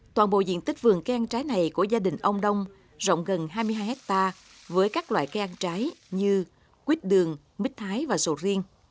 toàn bộ diện tích vườn keng trái này của gia đình ông đông rộng gần hai mươi hai hectare với các loại cây ăn trái như quýt đường mít thái và sầu riêng